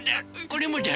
これもだ！